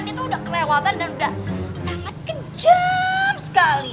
dia tuh udah kelewatan dan udah sangat kejam sekali